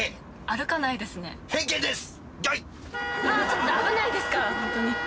ちょっと危ないですから。